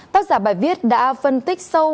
tác giả bài viết đã phân tích sâu